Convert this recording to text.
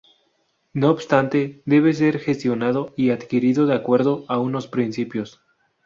No obstante, debe ser gestionado y adquirido de acuerdo a unos principios.